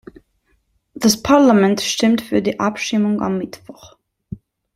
Das Parlament stimmt für die Abstimmung am Mittwoch.